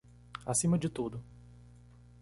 Acima de tudo